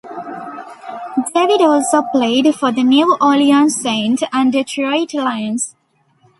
David also played for the New Orleans Saints and Detroit Lions.